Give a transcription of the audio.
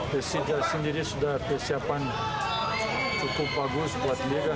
persija sendiri sudah persiapan cukup bagus buat liga